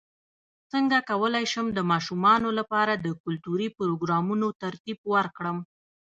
څنګه کولی شم د ماشومانو لپاره د کلتوري پروګرامونو ترتیب ورکړم